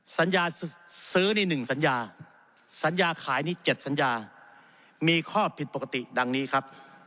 สัญญาซื้อนี่๑สัญญาสัญญาขายนี้๗สัญญามีข้อผิดปกติดังนี้ครับ